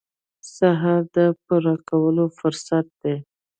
سهار د پوره کولو فرصت دی.